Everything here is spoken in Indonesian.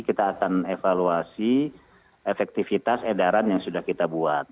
kita akan evaluasi efektivitas edaran yang sudah kita buat